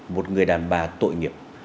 một người đàn bà tội nghiệp